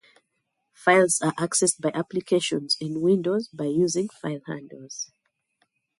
Files are accessed by applications in Windows by using "file handles".